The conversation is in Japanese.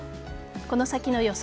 この先の予想